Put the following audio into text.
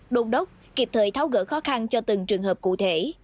đôn đốc kịp thời tháo gỡ khó khăn cho từng trường hợp cụ thể